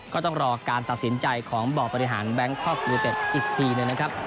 ก็ต้องรอการตัดสินใจของบ่อบริหารแบงคอกยูนิเต็ดอีกทีหนึ่งนะครับ